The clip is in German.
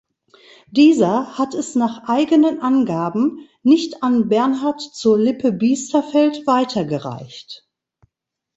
Dieser hat es nach eigenen Angaben nicht an Bernhard zur Lippe-Biesterfeld weitergereicht.